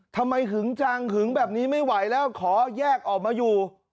หึงจังหึงแบบนี้ไม่ไหวแล้วขอแยกออกมาอยู่